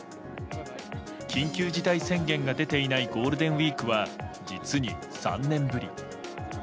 緊急事態宣言が出ていないゴールデンウィークは実に３年ぶり。